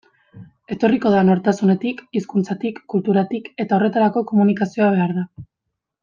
Etorriko da nortasunetik, hizkuntzatik, kulturatik, eta horretarako komunikazioa behar da.